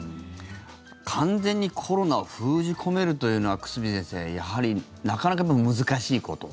完全にコロナを封じ込めるというのは久住先生やはり、なかなか難しいこと？